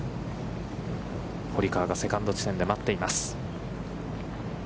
堀川がセカンド地点で待っています。